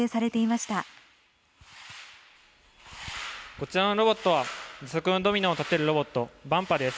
こちらのロボットは自作のドミノを立てるロボット「万波」です。